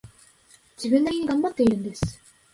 自分なりに頑張っているんです